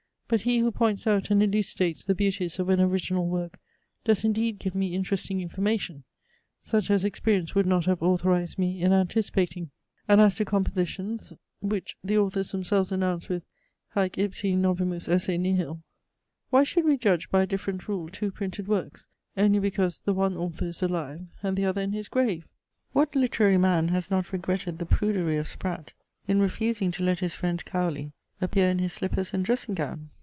But he, who points out and elucidates the beauties of an original work does indeed give me interesting information, such as experience would not have authorized me in anticipating. And as to compositions which the authors themselves announce with Haec ipsi novimus esse nihil, why should we judge by a different rule two printed works, only because the one author is alive, and the other in his grave? What literary man has not regretted the prudery of Spratt in refusing to let his friend Cowley appear in his slippers and dressing gown?